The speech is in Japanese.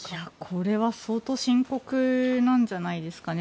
これは相当深刻なんじゃないですかね。